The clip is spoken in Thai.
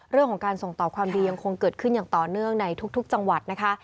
เรื่องของการส่งต่อความดียังคงเกิดขึ้นอย่างต่อเนื่องในทุกจังหวัดนะคะ